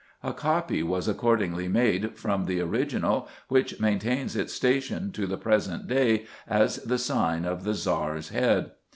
A copy was accordingly made from the original, which maintains its station to the present day as the sign of the Czar's Head."